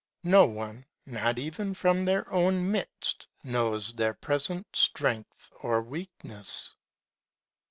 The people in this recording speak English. No one, not even from their ovi^n midst, knows their present strength or weakness.